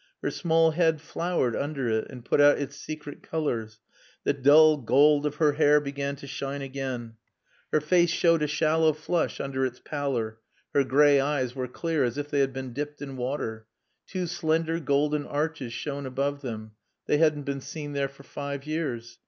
Her small head flowered under it and put out its secret colors; the dull gold of her hair began to shine again, her face showed a shallow flush under its pallor; her gray eyes were clear as if they had been dipped in water. Two slender golden arches shone above them. They hadn't been seen there for five years.